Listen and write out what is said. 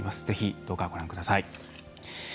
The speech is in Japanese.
ぜひ、どうかご覧ください。